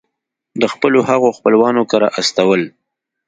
د خپلو هغو خپلوانو کره استول.